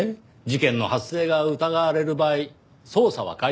事件の発生が疑われる場合捜査は開始できますが。